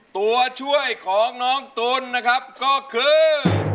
ตัวช่วยของน้องตุ๋นนะครับก็คือ